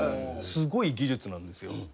すごい技術なんですよ。